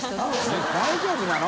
大丈夫なの？